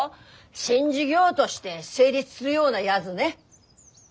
新事業どして成立するようなやづね。